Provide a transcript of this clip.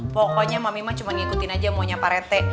pokoknya mami mah cuma ngikutin aja maunya parete